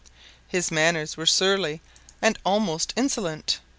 His manners were surly, and almost insolent.